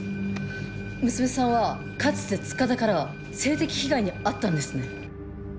娘さんはかつて塚田から性的被害に遭ったんですね？